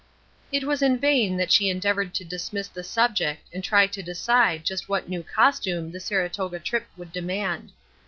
It was in vain that she endeavored to dismiss the subject and try to decide just what new costume the Saratoga trip would demand.